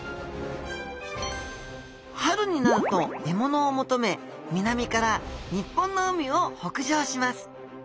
春になると獲物を求め南から日本の海を北上します。